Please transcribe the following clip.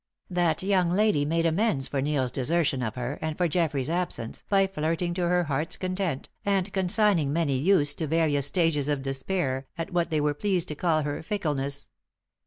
That young lady made amends for Neil's desertion of her, and for Geoffrey's absence, by flirting to her heart's content, and consigning many youths to various stages of despair at what they were pleased to call her fickleness.